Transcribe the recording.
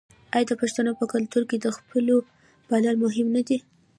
آیا د پښتنو په کلتور کې د خپلوۍ پالل مهم نه دي؟